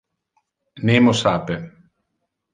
Nemo sape.